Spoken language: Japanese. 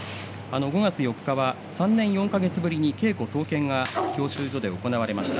５月４日は３年４か月ぶりに稽古総見が教習所で行われました。